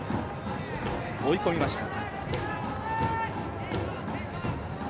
追い込みました。